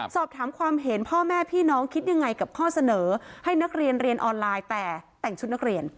สอบถามความเห็นพ่อแม่พี่น้องคิดยังไงกับข้อเสนอให้นักเรียนเรียนออนไลน์แต่แต่งชุดนักเรียน